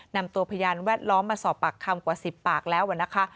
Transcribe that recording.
นำตัวพยานแวดล้อมมาสอบปากคำกว่า๑๐ปากแล้วนะคะ